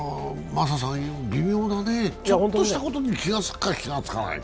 微妙だね、ちょっとしたことに気がつくか、つかないか。